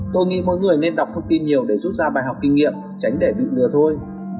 tôi nghĩ mỗi người nên đọc thông tin nhiều để rút ra bài học kinh nghiệm tránh để bị lừa thôi